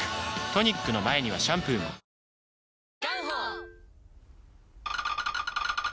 トニックの前にはシャンプーもお前のせいで！